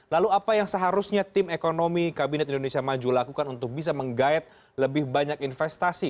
lalu apa yang seharusnya tim ekonomi kabinet indonesia maju lakukan untuk bisa menggayat lebih banyak investasi